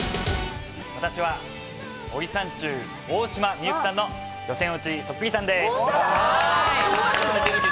私は森三中・大島美幸さんの予選落ちそっくりさんです。